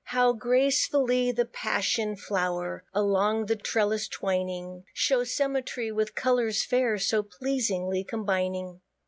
How gracefully the Passion flow'r, Along the trellis twining, Shows symmetry, with colours fair, So pleasingly combining.